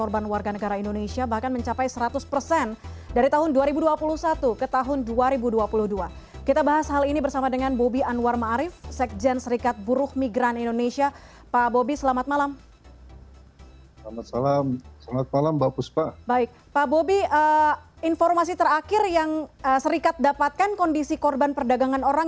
baik pak bobi informasi terakhir yang serikat dapatkan kondisi korban perdagangan orang